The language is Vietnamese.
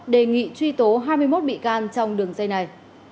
đề nghị truy tố hai mươi một bị can trong đường dây này